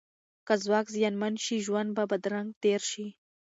که ځواک زیانمن شي، ژوند به بدرنګ تیر شي.